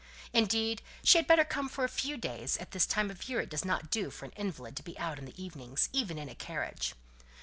Indeed, she had better come for a few days; at this time of the year it doesn't do for an invalid to be out in the evenings, even in a carriage."